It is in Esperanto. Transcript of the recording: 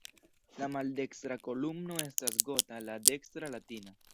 La maldekstra kolumno estas "gota", la dekstra "latina".